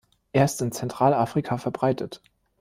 Er ist in Zentralafrika verbreitet.